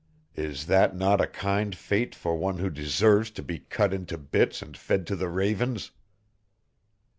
Is that not a kind fate for one who deserves to be cut into bits and fed to the ravens?"